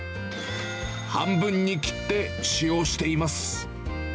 半分に切って使用しています。